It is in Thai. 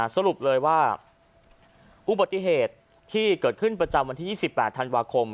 สรุปเลยว่าอุบัติเหตุที่เกิดขึ้นประจำวันที่๒๘ธันวาคม